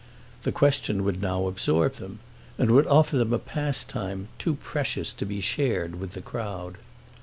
The question would now absorb them and would offer them a pastime too precious to be shared with the crowd.